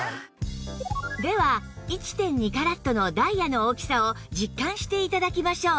では １．２ カラットのダイヤの大きさを実感して頂きましょう